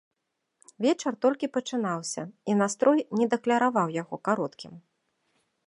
Вечар толькі пачынаўся, і настрой не дакляраваў яго кароткім.